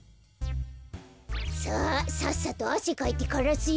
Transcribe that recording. さあさっさとあせかいてからすよ。